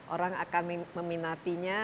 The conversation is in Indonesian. orang akan meminatinya